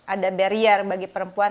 ada barier bagi perempuan